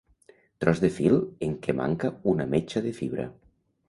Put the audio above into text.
Tros de fil en què manca una metxa de fibra.